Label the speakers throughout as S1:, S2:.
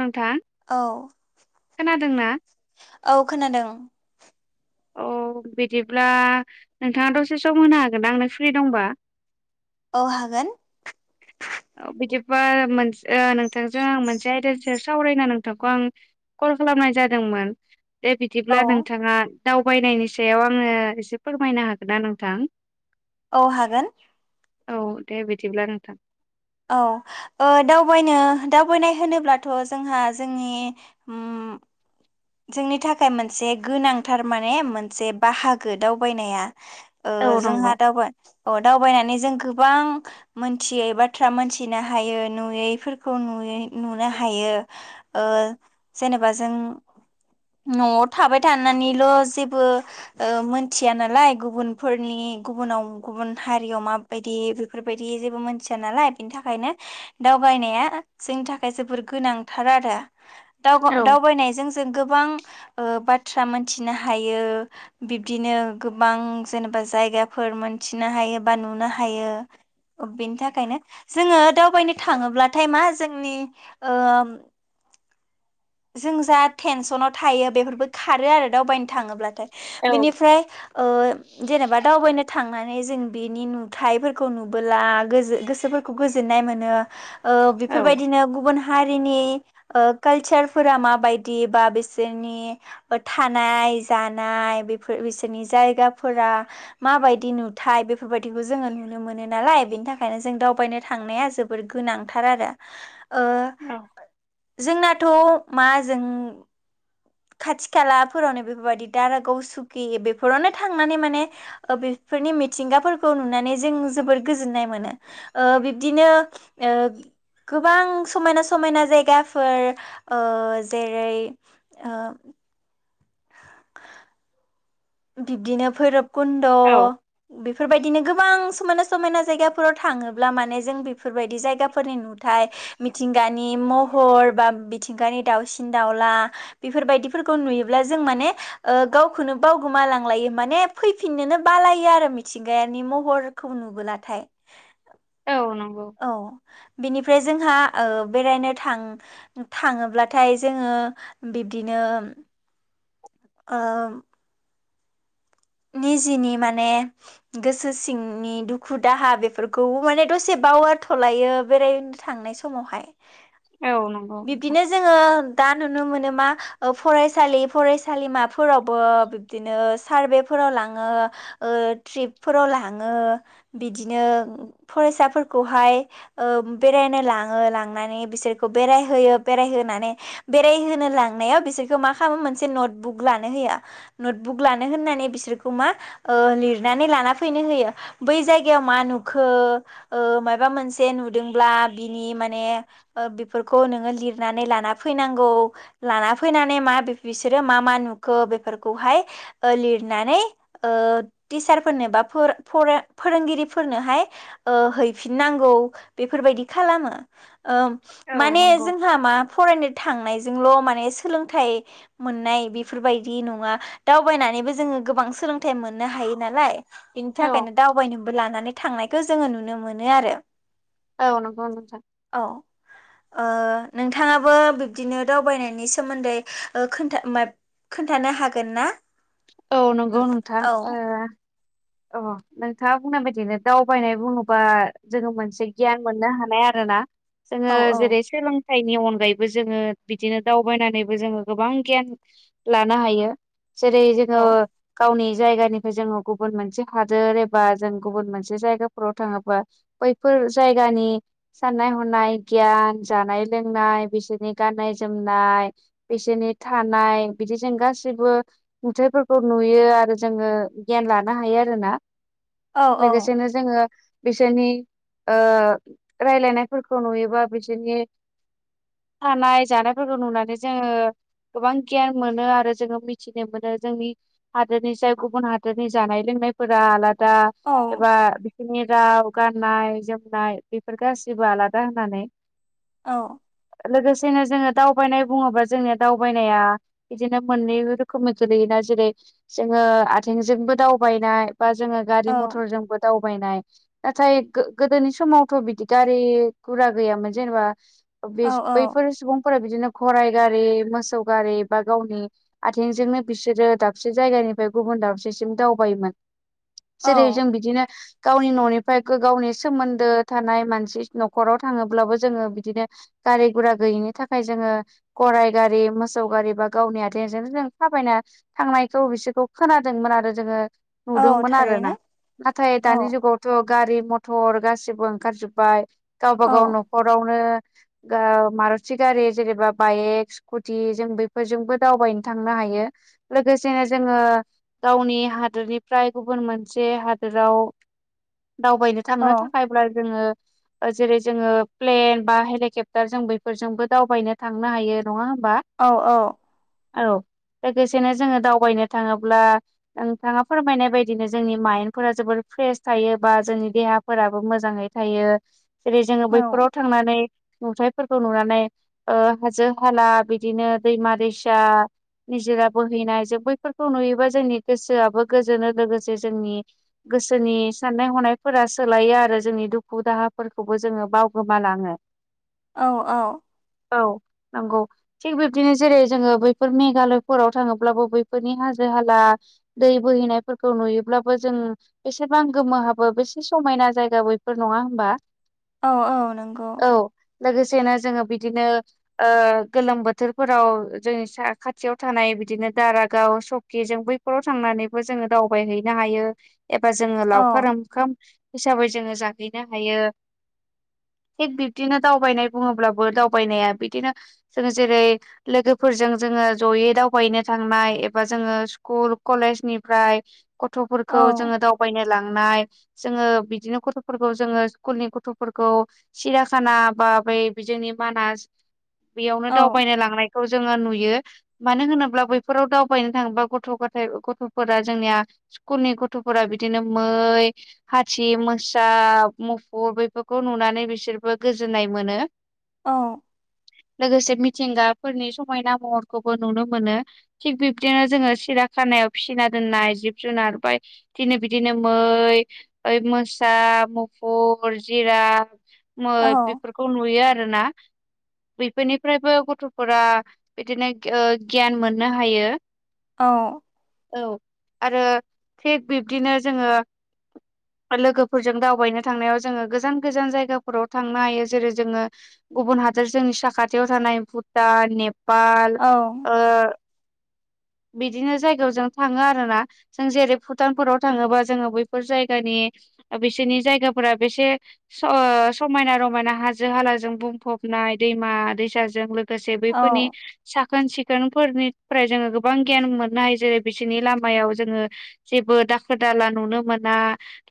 S1: नोंथां
S2: औ
S1: खोनादों ना?
S2: औ खोनादों
S1: औ बिदिब्ला नोंथाङा दसे सम होनो हागोना आंनो फ्रि दंबा?
S2: औ हागोन।
S1: बिदिबा मोनस ओ नोंथांजों आं मोनसे आयदानि सायाव सावरायना नोंथांखौ आं कल खालामनाय जादोंमोन दे
S2: औ
S1: बिदिब्ला नोंथाङा। दावबायनायनि सायाव आंनो एसे फोरमायनो हागोनना नोंथां?
S2: औ हागोन
S1: औ दे बिदिब्ला नोंथां
S2: औ ओ दावबायनो दावबायनाय होनोब्लाथ' जोंहा जोंनि ओम जोंनि थाखाय मोनसे गोनांथार माने मोनसे बाहागो दावबायनाया ओ
S1: औ
S2: जोंहा
S1: नंगौ
S2: दावबा ओ दावबायनानै जों गोबां मोनथियै बाथ्रा मोनथिनो हायो नुयैफोरखौ नुयो, नुनो हा हायो ओ जेनेबा जों न'आव थाबाय थानानैल' जेबो ओ मोनथिया नालाय गुबुनफोरनि गुबुन गुबुनाव गुबुन हारियाव माबायदि बेफोरबायदि जेबो मोनथिया नालाय बेनि थाखायनो दावबाय नाया जोंनि थाखाय जोबोर गोनांथार आरो
S1: औ
S2: दावगा-दावबायनायजों जों गोबां ओ बाथ्रा मोनथिनो हायो बिबदिनो गोबां जेन' जायगाफोर मोनथिनो हायो बा नुनो हायो। ओ बेनि थाखायनो जोङो दावबायनो थाङोब्लाथाय मा जोंनि ओ जों जा टेनसनाव थायो बेफोरबो खारो आरो दावबायनो थाङोब्लाथाय।
S1: औ
S2: बिनिफ्राय ओ जेनेबा दावबायनो थांनानै जों बेनि नुथाइफोरखौ नुबोला गोजोन गोसोफोरखौ गोजोन ननाय मोनो। ओ
S1: औ
S2: बेफोर बायदिनो गुबुन हारिनि ओ कालसार फोरा माबायदि बा बिसोरनि ओ थानाय जानाय बेफोर बिसोरनि जा जायगाफोरा माबायदि नुथाय बेफोर बायदिखौ जोङो नुनो मोनो नालाय बेनि थाखायनो जों दाव बायनो थांनाया जोबोर गोनांथार आरो। ओ
S1: औ
S2: जोंनाथ' मा जों खाथि खालाफोरावनो बेफोर बायदि दारागाव सुखि बेफोरावनो थांनानै माने ओ बेफोरनि मिथिंगाफोरखौ नुनानै जों जोबोर गोजोननाय मोनो। ओ बिब्दिनो ओ गोबां समायना समायना जायगाफोर ओ जेरै ओ बिब्दिनो भैरब कुन्द'
S1: औ
S2: बेफोर बायदिनो गोबां समायना समायना जायगाफोराव थाङोब्ला माने जों बेफोर बायदि जायगाफोरनि नुथाय मिथि गानि महर बा मिथिंगानि दाउसिन दाउला बेफोर बायदिफोरखौ नुयोब्ला जों माने ओ गावखोनो बावगोमालांलायो माने फैफिननोनो बालायो आरो मिथिंगायानि महरखौ नुबोलाथाय। [inaudible]
S1: औ नंगौ
S2: औ बेनिफ फ्राय जोंहा ओ बेरायनो थां-थाङोब्लाथाय जोङो बिब्दिनो [inaudible] ओ निजिनि माने गोसो सिंनि दुखु दाहा बेफोरखौबो माने दसे बावगारथ'लायो बेरायनो थांनाय समावहाय।
S1: औ नंगौ नोंथां
S2: बिब्दिनो जोङो दा नुनो मोनो मा फरायसालि फरायसालिमाफोरावबो बिबदिनो सारभे फोराव लाङो ओ ट्रिपफोराव लाङो बिदिनो फरायसा खौहाय ओ बेरायनो लाङो लांनानै बिसोरखौ बेरायहोयो बेरायहोनानै बेरायहोनो लांनायाव बिसोरखौ मा खालामो मोनसे नटबुक लानो होयो नटबुक लानो होननानै बिसोर खौ मा ओ लिरनानै लाना फैनो होयो। बै जायगायाव मा नुखो ओ मायबा मोनसे नुदोंब्ला बिनि माने ओ बिफोरखौ नोङो लिर नानै लाना फैनांगौ लाना फैनानै मा बि-बिसोरो मा मा नुखो बेफोरखौहाय ओ लिर नानै ओ टिसारफोरनो बा फोर-फरा-फो-फोरोंगिरिफोरनोहाय ओ है फिननांगौ बेफोर बायदि खालामो ओ
S1: औ
S2: माने
S1: नंगौ
S2: जोंहा मा फराय थांनायजोंल' माने सोलोंथाइ मोननाय बेफोर बायदि नङा दावबायनानैबो जोङो गोबां सोलोंथाइ मोननो हायो नालाय बिनि
S1: औ
S2: थाखायनो दावबायनोबो लानानै थांनाय खो जोङो नुनो मोनो आरो।
S1: औ नोंगौ नोंथां।
S2: औ ओ नोंथाङाबो बिब्दिनो दावबायनायनि सोमोन्दै ओ खोनथा माय खोन्थानो हागोन ना?
S1: औ नंगौ नोंथां
S2: औ
S1: ओ अ नोंथाङा बुंनाय बायदिनो दावबायनाय बुङोबा जोङो मोनसे गियान मोननो हानाय आरोना।
S2: औ
S1: जोङो
S2: औ
S1: जेरै श्रीलं थाइनि अनगायैबो जोङो बिदिनो दावबायनानैबो जोङो गोबां गियान लानो हायो। जेरै
S2: औ
S1: जोङो गावनि जायगानिफ्राय जोङो गुबुन मोनसे हादोर एबा जों गुबुन मोनसे जायगााव थाङोबा बैफोर जायगानि साननाय हनाय गियान जानाय लोंनाय बिसोरनि गाननाय जोमनाय बिसोरनि थानाय बिदि जों गासिबो नुथायाइफोरखौ नुयो आरो जोङो गियान लानो हायो। ना
S2: औ
S1: लोगोसेनो जोङो बिसोरनि रायलायनायफोरखौ नुयोबा बिसोरनि थानाय जानायफोरखौ नुनानै जोङो गोबां गियान मोनो आरो जोङो मिथिनो मोनो जोंनि हादोरनि जाय गुबुन हादोरनि जानाय लोंनाय फुरा आलादा
S2: औ
S1: एबा जोंनि राव गाननाय जोमनाय बेफोर गासैबो आलादा होनानै
S2: औ
S1: लोगोसेनो जोङो दावबायनाय बुङोबा जोंनिया दावबायनाया बिदिनो मोननै रोखोमनि गोलैयो। जेरै जोङो आथिंजोंबो दावबायनाय बा जोङो गारि मथरजोंबो दावबाय नाय नाथाय गोदोनि समावथ बिदि गारि गुरा गैयामोन जेनेबा। बे
S2: औ
S1: बैफोर सुबुं फोर बिदिनो फराइ गारि मोसौ गारि बा गावनि आथिंजोंनो बिसोरो दाबसे जायगानि निफ्राय गुबुन दाबसेसिम दावबायोमोन जेरै
S2: औ
S1: जों बिदिनो गावनि ननिफ्राय गावनि सोमोन्दो थानाय मानसि नखराव थाङोब्लाबो जोङो बिदिनो गारि गुरा गैयिनि थाखाय जोङो गराइ गारि मोसौ गारि बा गावनि आथिंजोंनो जों थाबायना थांनायखौ बिसोरखौ खोनादोंमोन आरो जोङो
S2: औ
S1: नुदोंमोन आरो ना
S2: थारैनो
S1: नाथाय
S2: औ
S1: दानि जुगावथ गारि मथर गासिबो ओंखारजोबबाय गावबा
S2: औ
S1: गाव न'खरावनो मारथि गारि जेनेबा बाइक स्कुटि जों बेफोरजोंबो दावबायनो थांनो हायो। लोगोसेनो जोङो गावनि हादनि फ्राय गुबुन मोनसे हादोराव दावबायनो
S2: औ
S1: थांनो थाखायब्ला जोङो जेरै जोङो प्लेन बा हेलिकप्टार जों बैफोरजोंबो दावबायनो थांनो हायो। नङा होमबा?
S2: औ औ
S1: औ लोगोसेनो जोङो दावबायनो थाङोब्ला नोंथाङा। फोरमायनाय बायदिनो जोंनि माइन्दफोरा जोबोर फ्रेस थायो बा जोंनि देहाफोराबो मोजाङै थायो। जेरै जोङो
S2: औ
S1: बैफोराव थांनानै नुथायाइफोरखौ नुनानै हाजो हाला बिदिनो दैमा दैसा निजोरा बोहैनाय जों बैफोरखौ नुयोबा जोंनि गोसोआबो गोजोनो लोगोसे जोंनि गोसोनि साननाय हनायफोरा सोलायो आरो जोंनि दुखु दाहा फोरखौबो जोङो बावगोमालाङो।
S2: औ औ
S1: औ नंगौ थिग बिब्दिनो जेरै जोङो बैफोर मेघालयफोराव थाङोब्लाबो बैफोरनि हाजो हाला दै बोहैनायफोरखौ नुयोब्लाबो जों बेसेबां गोमोहाबो बेसे समायना जायगा बैफोर नङा होमबा?
S2: औ औ नंगौ
S1: औ लोगोसेनो जोङो बिदिनो गोलोम बोथोरफोराव जोंनि स खाथियाव थानाय बिदिनो दारागाव सकिजों बैफोराव थांनानै जोङो दावबायहैनो हायो एबा जोङो
S2: औ
S1: लावखार ओंखाम हिसाबै जोङो जाहैनो हायो।
S2: [inaudible]
S1: थिग बिबदिनो दावबायनाय बुङोब्लाबो दावबायनाया बिदिनो जों जेरै लोगोफोरजों जोङो जयै दावबायनो थांनाय एबा जोङो स्कुल कलेजनि ओमफ्राय
S2: औ
S1: गथफोरखौ जोङो दावबायनो लांनाय जोंङो बिदिनो गथफोरखौ जोङो स्कुलनि गथफोरखौ सिरिया खाना बा बा बै जोंनि मानास बेयावनो
S2: औ
S1: दावबायनो लांनाय खौ जोङो नुयो मानो होनोब्ला बैफोराव दावबायनो थाङोबा गथ गथाय गथ फोरा जोंनिया स्कुलनि गथफोरा बिदिनो मै हाथि मोसा म फुर बेफोरखौ नुनानै बिसोरबो गोजोननाय मोनो।
S2: औ
S1: लोगोसे मिथिंगाफोरनि समायना महरखौबो नुनो मोनो थिग बिब्दिनो जोङो सिरा खानायाव फिसिना दोननाय जिब जुनार बा थिनो बिदिनो मै ओइ मोसा मु फुर जिराफ मै
S2: औ
S1: बेफोरखौ नुयो आरोना। बेफोरनिफ्रायबो गथ'फोरा बिदिनो गियान मोननो हायो।
S2: औ
S1: औ आरो थिग बिब्दिनो जोङो लोगोफोरजों दावबायनो थांनायाव जोङो गोजान गोजान जायगाफोराव थांनो हायो जेरै जोङो गुबुन हादर जोंनि साखाथियाव थानाय भुटान नेपाल
S2: औ
S1: ओ बिदिनो जायगायाव जों थाङो आरोना जों जेरै भुटानफोराव थाङोबा जोङो बैफोर जायगानि बिसोरनि जायगाफोरा बेसे ओ समायना रमायना हाजो हालाजों बुंफब नाय दैमा दैसाजों लोगोसे बैफोरनि साखोन सिखोनफोरनिफ्राय जोङो गोब बां गियान मोननो हायो जेरै बिसोरनि लामायाव जोङो जेबो दाखोर दाला नुनो मोना।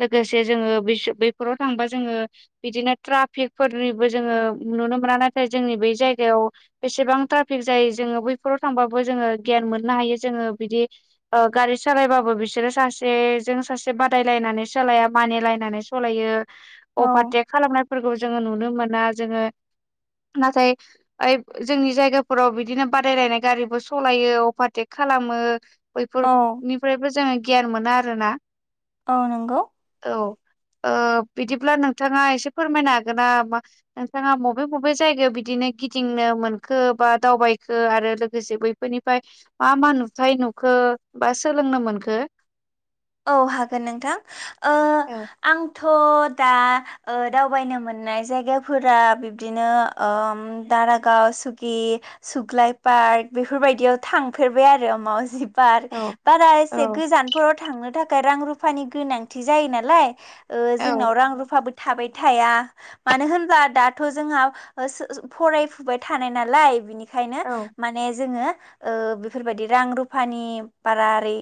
S1: लोगोसे जोङो बैफोराव थांबा जोङो बिदिनो ट्राफिकफोरनिबो जोङो नु नुनो मोना नाथाय जोंनि बै जायगायाव बेसेबां ट्राफिक जायो जोङो बैफोराव थांबाबो जोङो गियान मोननो हायो जोङो बिदि ओ गारि सालायबाबो बिसोरो सासेजों सासे बादायलायना नानै सालाया मानिलायनानै सालायो अभार
S2: औ
S1: तेक खालाम नायफोरखौ जोङो नुनो मोना जोङो नाथाय ओ जोंनि जायगाफोराव बिदिनो बादायलायनाय गारिबो स सलायो अपारटेक खालामो
S2: औ
S1: बैफोरनिफ्रायबो जोङो गियान मोना आरोना।
S2: औ नंगौ।
S1: औ ओ बिदिब्ला नोंथाङा एसे फोरमायनो हागोनना नोंथाङा मबे मबे जायगायाव बिदिनो गिदिंनो मोनखो बा दावबायखो आरो लोगोसे बै बे बेनिफ्राय मा मा नुथाय नुखो बा सोलोंनो मोनखो?
S2: औ हागोन नोंथां ओ
S1: औ
S2: आं थ' दा दावबायनो मोननाय जायगाफोरा बिब्दिनो ओम दारागाव सुगि सुग्लाय पार्क बेफोरबायदियाव थांफेरबाय आरो मावजि बार
S1: औ
S2: बारा
S1: औ
S2: एसे गोजानफोराव थांनो थाखाय रां रुफानि गोनांथि जायो नालाय। ओ जोंनाव रां रुफाबो थाबाय थया मानो होनब्ला दाथ जोंहा फरायफुबाय थानाय नालाय बिनि खायनो
S1: औ
S2: माने जोङो ओ बेफोरबायदि रां रुफानि बारा ओरै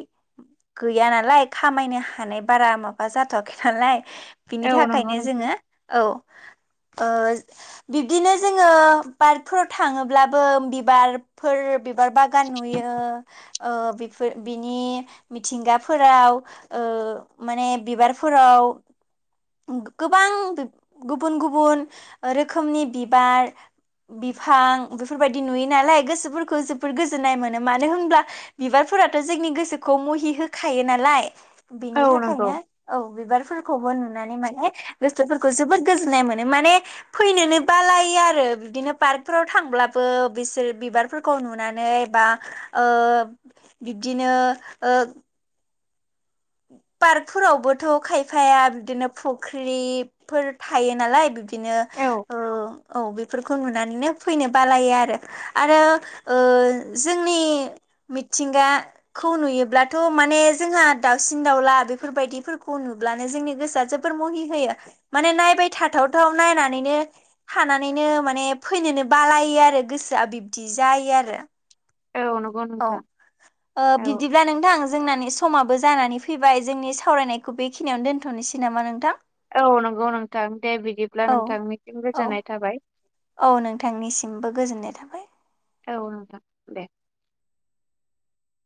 S2: गैया नालाय खामायनो हानाय बारा माबा जाथ'वाखै नालाय बिनि
S1: औ नंगौ
S2: थाखायनो
S1: नोंथां
S2: जोङो औ [inaudible] ओ बिब्दिनो जोङो पार्कफोराव थाङोब्लाबो बिबारफोर बिबार बागान नुयो ओ बेफोर बिनि मिथिंगाफोराव ओ माने बिबारफोराव गोबां गुबुन गुबुन रोखोमनि बिबार बिफां बेफोरबायदि नुयो नालाय गोसोफोरखौ जोबद गोजोननाय मोनो मानो होनब्ला बिबार फोराथ' जोंनि गोसोखौ मुहि होखायो नालाय
S1: औ
S2: बिनि
S1: नंगौ
S2: थाखायनो औ बिबारफोर खौबो नुनानै माने गोसोफोरखौ जोबोद गोजोन्नाय मोनो माने फैनोनो बालायो आरो। बिदिनो पार्कफोराव थांब्लाबो बिसोर बिबारफोरखौ नुनानै बा ओ बिबदिनो ओ [inaudible] पार्कफोरावबोथ' खायफाया बिदिनो फुख्रिफोर थायो नालाय बि बिदिनो
S1: औ
S2: औ बेफोरखौ नुनानैनो फैनो बालायो आरो आरो ओ जोंनि मिथिंगा खौ नुयोब्लाथ' माने जोंहा दाउसिन दाउला बेफोरबायदिफोरखौ नुब्लानो जोंनि गोसोआ जोबोर मुहि होयो माने नायबाय थाथाव थाव नायनानैनो थानानैनो माने फैनोनो बालायो आरो गोसोआ बिब्दि जायो आरो।
S1: औ नंगौ
S2: औ
S1: नोंथां
S2: ओ
S1: औ
S2: बिदिब्ला नोंथां जोंनानै समाबो जानानै फैबाय जोंनि सावरायनायखौ बेखिनियावनो दोनथ'नोसै नामा नोंथां?
S1: औ नंगौ नोंथां दे बिदिब्ला
S2: औ
S1: नोंथांसिम
S2: औ
S1: गोजोननाय थाबाय।
S2: औ नोंथांनिसिमबो गोजोननाय थाबाय।
S1: औ नोंथां दे।